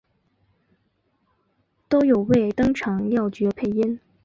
都有为登场要角配音。